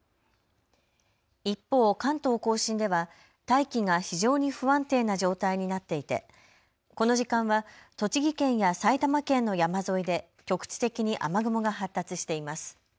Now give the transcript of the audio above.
一方、関東甲信では大気が非常に不安定な状態になっていてこの時間は栃木県や埼玉県の山沿いで局地的に雨雲が発達しています。